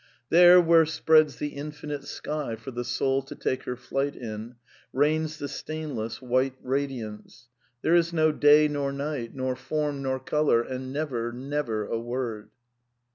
'^ There, where spreads the infinite sky for the soul to take her flight in, reigns the stainless white radiance. There is no day nor night, nor form nor colour, and never, never a word."